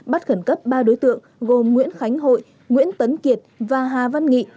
bắt khẩn cấp ba đối tượng gồm nguyễn khánh hội nguyễn tấn kiệt và hà văn nghị